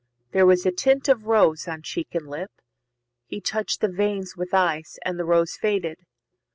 There was a tint of rose On cheek and lip; he touch'd the veins with ice, And the rose faded.